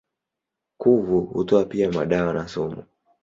Kuvu hutoa pia madawa na sumu.